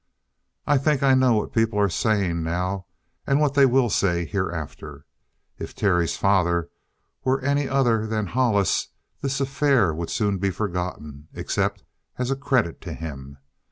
"I think I know what people are saying now, and what they will say hereafter. If Terry's father were any other than Hollis, this affair would soon he forgotten, except as a credit to him.